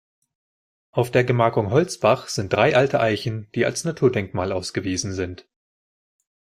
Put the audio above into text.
Auf der Gemarkung Holzbach sind drei alte Eichen, die als Naturdenkmal ausgewiesen sind.